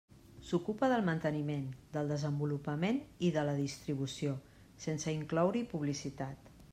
S'ocupa del manteniment, del desenvolupament i de la distribució, sense incloure-hi publicitat.